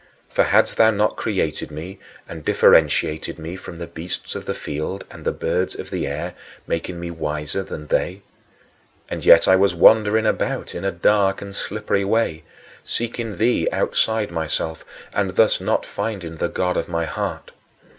For hadst thou not created me and differentiated me from the beasts of the field and the birds of the air, making me wiser than they? And yet I was wandering about in a dark and slippery way, seeking thee outside myself and thus not finding the God of my heart.